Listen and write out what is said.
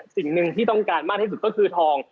สิ่งหนึ่งที่ต้องการมากที่สุดก็คือทอง